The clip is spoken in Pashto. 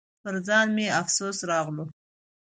پر ځان مې افسوس راغلو .